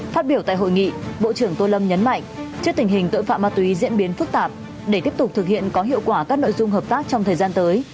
phát biểu tại hội nghị bộ trưởng tô lâm nhấn mạnh trước tình hình tội phạm ma túy diễn biến phức tạp để tiếp tục thực hiện có hiệu quả các nội dung hợp tác trong thời gian tới